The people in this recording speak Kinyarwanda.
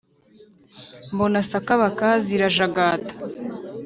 mbona sakabaka zirajagata